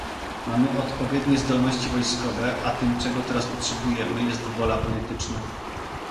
Mamy odpowiednie zdolności wojskowe, a tym, czego teraz potrzebujemy, jest wola polityczna